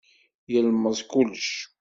Yelmeẓ kullec.